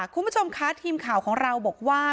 คุณผู้ชมคะทีมข่าวของเราบอกว่า